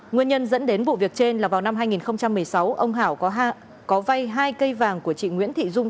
nguyên nhân dẫn đến vụ việc trên là vào năm hai nghìn một mươi sáu ông có vay hai cây vàng của chị nguyễn thị dung